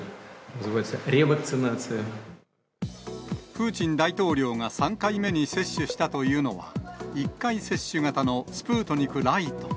プーチン大統領が３回目に接種したというのは、１回接種型のスプートニクライト。